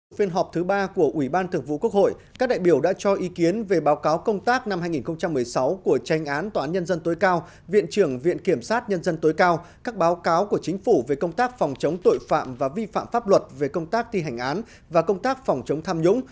trong phiên họp thứ ba của ủy ban thượng vụ quốc hội các đại biểu đã cho ý kiến về báo cáo công tác năm hai nghìn một mươi sáu của tranh án tòa án nhân dân tối cao viện trưởng viện kiểm sát nhân dân tối cao các báo cáo của chính phủ về công tác phòng chống tội phạm và vi phạm pháp luật về công tác thi hành án và công tác phòng chống tham nhũng